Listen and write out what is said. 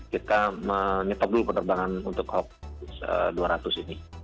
kita menyetok dulu penerbangan untuk hawk dua ratus ini